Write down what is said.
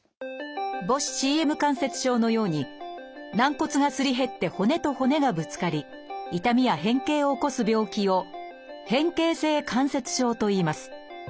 母指ＣＭ関節症のように軟骨がすり減って骨と骨がぶつかり痛みや変形を起こす病気を「変形性関節症」といいます。